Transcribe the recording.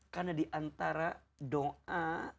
karena diantara doa